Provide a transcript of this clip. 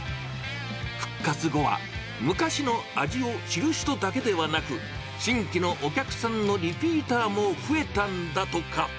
復活後は、昔の味を知る人だけではなく、新規のお客さんのリピーターも増えたんだとか。